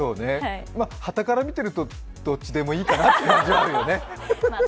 端から見てるとどっちでもいいかなって感じはあるよね。